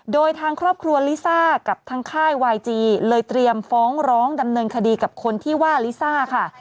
โดยทางครอบครัวลิซ่ากับทางค่ายวายจีเลยเตรียมฟ้องร้องดำเนินคดีกับคนที่ว่าลิซ่าค่ะ